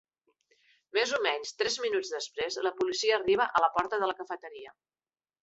Més o menys tres minuts després, la policia arriba a la porta de la cafeteria.